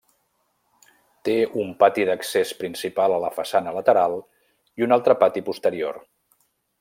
Té un pati d'accés principal a la façana lateral i un altre pati posterior.